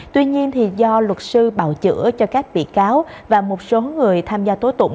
tuy nhiên do luật sư bào chữa cho các bị cáo và một số người tham gia tố tụng